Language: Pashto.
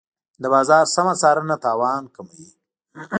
د بازار سمه څارنه تاوان کموي.